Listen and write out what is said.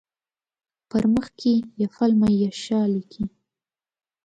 په مخ کې یفل من یشاء لیکي.